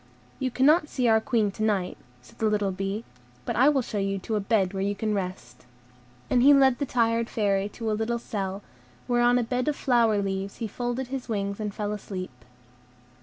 "You cannot see our Queen to night," said the little bee, "but I will show you to a bed where you can rest." And he led the tired Fairy to a little cell, where on a bed of flower leaves he folded his wings and fell asleep.